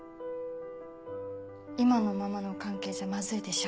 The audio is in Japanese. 今のままの関係じゃまずいでしょ？